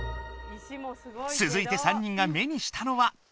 つづいて３人が目にしたのは。